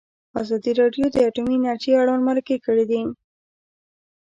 ازادي راډیو د اټومي انرژي اړوند مرکې کړي.